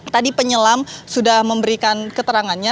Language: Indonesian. tadi penyelam sudah memberikan keterangannya